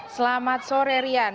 selamat sore rian